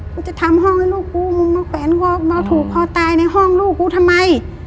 กูจะทำห้องให้ลูกกูมึงมาแขวนคอมาผูกคอตายในห้องลูกกูทำไม